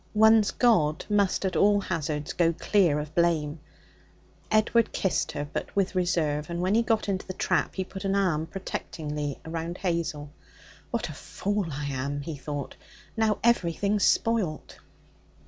One's god must at all hazards go clear of blame. Edward kissed her, but with reserve, and when he got into the trap he put an arm protectingly round Hazel. 'What a fool I am!' he thought. 'Now everything's spoilt.'